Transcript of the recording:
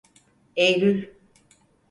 Eylül.